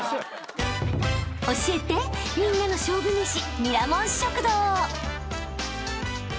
［教えてみんなの勝負めし］